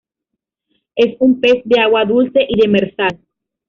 Es un pez de Agua dulce, y demersal.